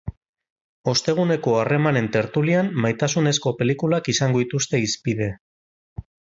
Osteguneko harremanen tertulian maitasunezko pelikulak izango dituzte hizpide.